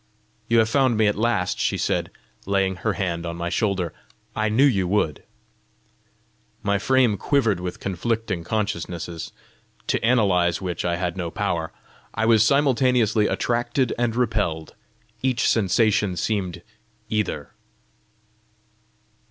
"You have found me at last!" she said, laying her hand on my shoulder. "I knew you would!" My frame quivered with conflicting consciousnesses, to analyse which I had no power. I was simultaneously attracted and repelled: each sensation seemed either.